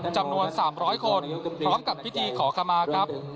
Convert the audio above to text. จำนวน๓๐๐คนพร้อมกับพิธีขอขมาครับ